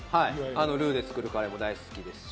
ルーで作るカレーも大好きですし。